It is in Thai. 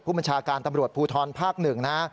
บัญชาการตำรวจภูทรภาค๑นะ